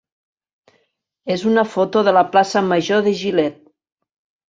és una foto de la plaça major de Gilet.